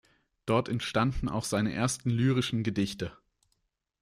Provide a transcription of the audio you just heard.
Dort entstanden auch seine ersten lyrischen Gedichte.